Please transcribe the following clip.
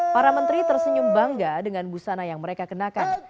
para menteri tersenyum bangga dengan busana yang mereka kenakan